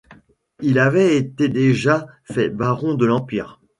Il avait été déjà fait baron de l'Empire.